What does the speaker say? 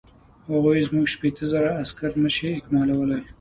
هغوی زموږ شپېته زره عسکر نه شي اکمالولای.